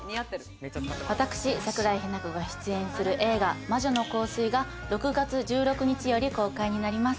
私、桜井日奈子が出演する映画『魔女の香水』が６月１６日より公開になります。